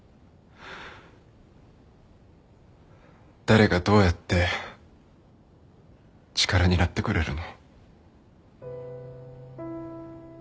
誰がどうやって力になってくれるの？